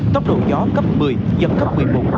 tốc độ gió cấp một mươi dẫn cấp một mươi một một mươi hai